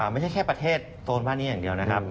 ไม่ใช่แค่ประเทศโซนบ้านนี้อย่างเดียวนะครับ